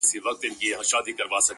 اې د ویدي د مست سُرود او اوستا لوري~